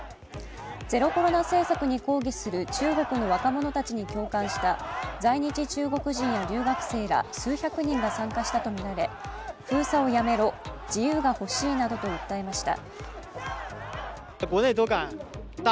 ゼロコロナ政策に抗議する中国の若者たちに共感した在日中国人や留学生ら数百人が参加したとみられ封鎖をやめろ、自由がほしいなどと訴えました。